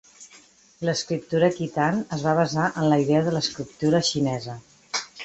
L'escriptura kitan es va basar en la idea de l'escriptura xinesa.